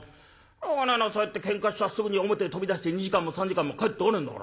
しょうがないなそうやってけんかしちゃすぐに表へ飛び出して２時間も３時間も帰ってこねえんだから。